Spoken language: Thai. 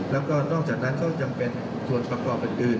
แล้วก็นอกจากนั้นก็จำเป็นส่วนประกอบอื่น